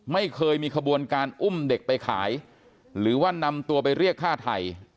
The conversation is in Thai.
ไม่เคยมีขบวนการอุ้มเด็กไปขายหรือว่านำตัวไปเรียกฆ่าไทย